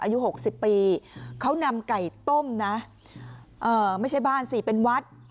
อายุ๖๐ปีเขานำไก่ต้มนะไม่ใช่บ้านสิเป็นวัด